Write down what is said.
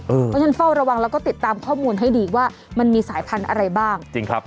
เพราะฉะนั้นเฝ้าระวังแล้วก็ติดตามข้อมูลให้ดีว่ามันมีสายพันธุ์อะไรบ้างจริงครับ